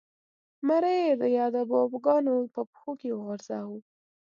مړی یې د یابو ګانو په پښو کې وغورځاوه.